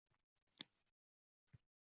biri haqiqiy, biri o'gay bo'lgan